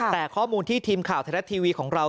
แต่ข้อมูลที่ทีมข่าวไทยรัฐทีวีของเรา